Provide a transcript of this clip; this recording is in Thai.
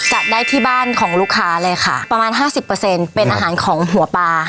จัดได้ที่บ้านของลูกค้าเลยค่ะประมาณห้าสิบเปอร์เซ็นต์เป็นอาหารของหัวปลา